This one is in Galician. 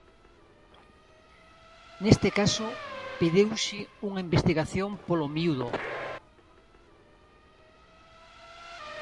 Neste caso pediuse unha investigación polo miúdo.